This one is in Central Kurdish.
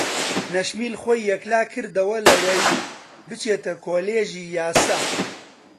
نەشمیل خۆی یەکلا کردەوە لەوەی بچێتە کۆلێژی یاسا.